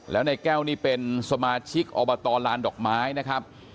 แล้วนายแก้วนี่เป็นสมาชิกอบตลานดอกไม้นะครับ